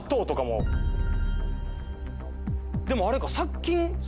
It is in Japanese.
でもあれか。